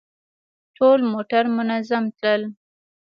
ټول موټر منظم تلل.